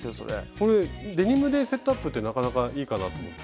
これデニムでセットアップってなかなかいいかなと思って。